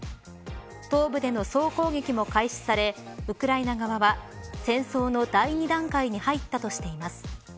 東部での総攻撃も開始されウクライナ側は戦争の第２段階に入ったとしています。